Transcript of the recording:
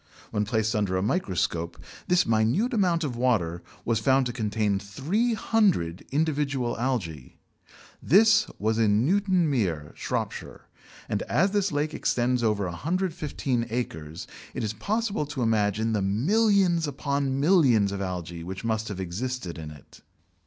When placed under a microscope, this minute amount of water was found to contain 300 individual algæ. This was in Newton Mere (Shropshire), and as this lake extends over 115 acres, it is possible to imagine the millions upon millions of algæ which must have existed in it.